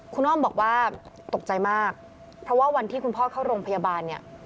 คุณอ้อมบอกว่าตกใจมากเพราะว่าวันที่คุณพ่อเข้าโรงพยาบาลเนี่ย